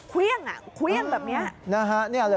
ควี่ยงควี่ยงแบบนี้